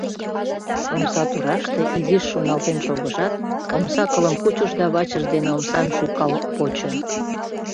Омса тураште изиш шоналтен шогышат, омса кылым кучыш да вачыж дене омсам шӱкал почо.